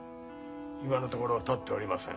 今のところ立っておりません。